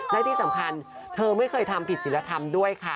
และที่สำคัญเธอไม่เคยทำผิดศิลธรรมด้วยค่ะ